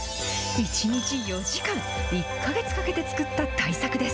１日４時間１か月かけて作った大作です。